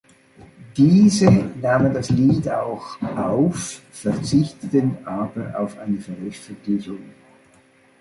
Diese nahmen das Lied auch auf, verzichteten aber auf eine Veröffentlichung.